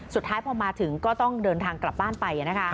สุดท้ายพอมาถึงก็ต้องเดินทางกลับบ้านไป